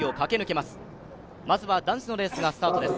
まずは男子のレースがスタートです。